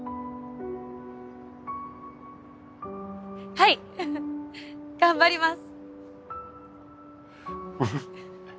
はい頑張ります。